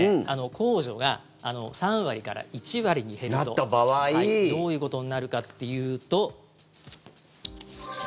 控除が３割から１割に減るとどういうことになるかというと。